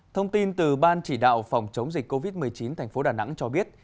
thông tin từ ban chỉ đạo phòng chống dịch covid một mươi chín tp đà nẵng cho biết